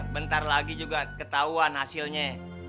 bentar lagi juga ketahuan hasilnya